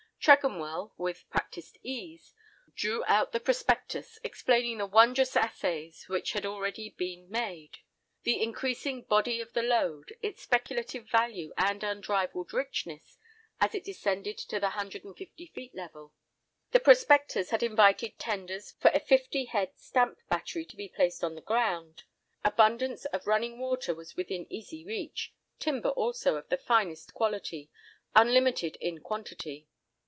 Tregonwell, with practised ease, drew out the prospectus, explaining the wondrous assays which had already been made, the increasing body of the lode, its speculative value and unrivalled richness as it descended to the hundred and fifty feet level. The prospectors had invited tenders for a fifty head stamp battery to be placed on the ground. Abundance of running water was within easy reach; timber also, of the finest quality, unlimited in quantity.